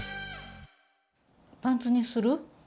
パンツにする？